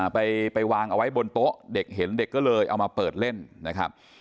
ไปวางเอาไว้บนโต๊ะเด็กเห็นเด็กก็เลยเอามาเปิดเล่นนะครับ